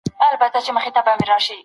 څه شی د هنر له لاري سوله هڅوي؟